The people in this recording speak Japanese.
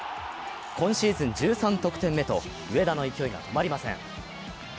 今シーズン１３得点目と上田の勢いが止まりません。